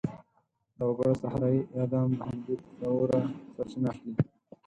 د وګړو صحرايي اعدام د همدې تصوره سرچینه اخلي.